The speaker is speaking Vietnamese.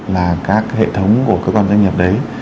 là các hệ thống của cơ quan doanh nghiệp đấy